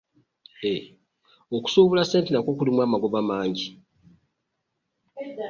Okusuubula ssente nakwo kulimu amagoba mangi.